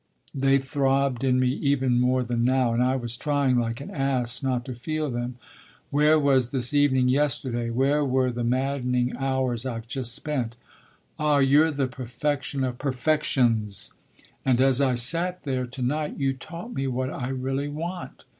"They throbbed in me even more than now, and I was trying, like an ass, not to feel them. Where was this evening yesterday where were the maddening hours I've just spent? Ah you're the perfection of perfections, and as I sat there to night you taught me what I really want."